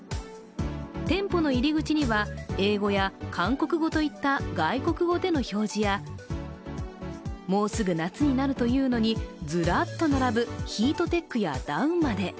店舗の入り口には英語や韓国語といった外国語での表示やもうすぐ夏になるというのにずらっと並ぶヒートテックやダウンまで。